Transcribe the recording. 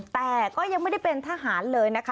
แต่ก็ยังไม่ได้เป็นทหารเลยนะคะ